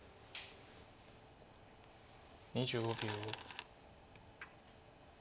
２５秒。